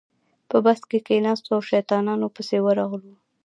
په بس کې کېناستو او شیطانانو پسې ورغلو.